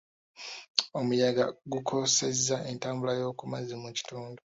Omuyaga gukosezza entambula y'oku mazzi mu kitundu.